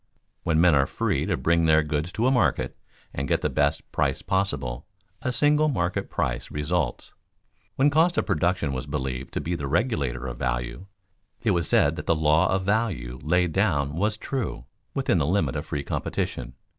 When men are free to bring their goods to a market and get the best price possible, a single market price results. When cost of production was believed to be the regulator of value, it was said that the law of value laid down was true "within the limit of free competition."